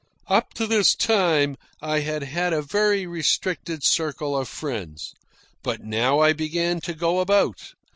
Up to this time I had had a very restricted circle of friends. But now I began to go about.